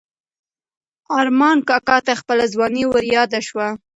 ارمان کاکا ته خپله ځواني وریاده شوه.